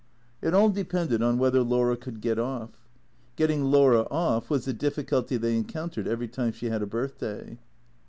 It all depended on whether Laura could get off. Getting Laura off was the difficulty they encountered every time she had a birthday.